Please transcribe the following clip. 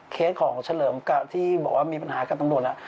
เคสของเฉลิมที่บอกว่ามีปัญหากับตำรวจน่ะ